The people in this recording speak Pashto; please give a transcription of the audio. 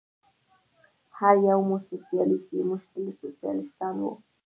هر یو مو سوسیالیست دی، موږ تل سوسیالیستان و.